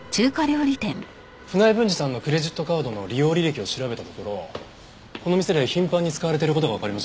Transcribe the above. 船井文治さんのクレジットカードの利用履歴を調べたところこの店で頻繁に使われている事がわかりました。